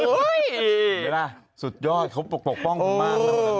เวลาสุดยอดเขาปกป้องมาก